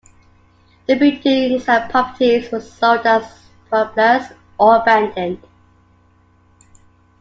The buildings and properties were sold as surplus or abandoned.